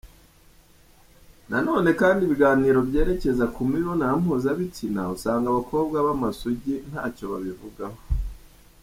Nanone kandi ibiganiro byerekeza ku mibonano mpuzabitsina usanga abakobwa b’amasugi ntacyo babivugaho.